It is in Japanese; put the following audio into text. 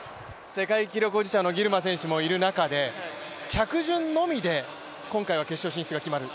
世界記録保持者のギルマ選手もいる中で着順のみで今回は順位が決まる。